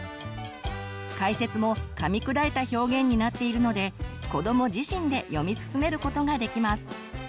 解説もかみ砕いた表現になっているので子ども自身で読み進めることができます。